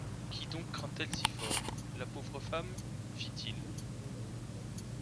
Qui donc craint-elle si fort, la pauvre femme ? fit-il.